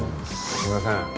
すいません。